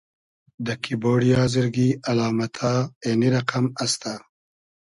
دۂ کیبۉرۮی آزرگی الامئتا اېنی رئقئم استۂ: